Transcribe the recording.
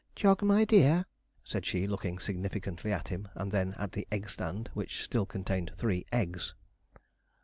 'Jog, my dear,' said she, looking significantly at him, and then at the egg stand, which still contained three eggs.